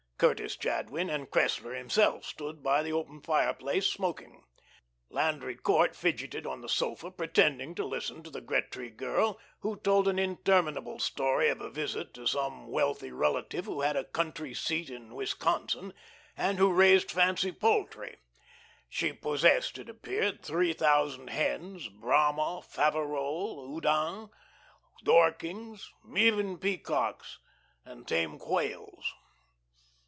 Curtis Jadwin and Cressler himself stood by the open fireplace smoking. Landry Court fidgeted on the sofa, pretending to listen to the Gretry girl, who told an interminable story of a visit to some wealthy relative who had a country seat in Wisconsin and who raised fancy poultry. She possessed, it appeared, three thousand hens, Brahma, Faverolles, Houdans, Dorkings, even peacocks and tame quails.